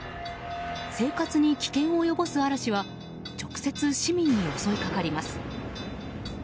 生活に危険を及ぼす嵐は直接市民に襲いかかります。